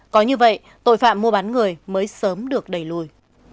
có như vậy tội phạm mua bán người mới sớm được đẩy lùi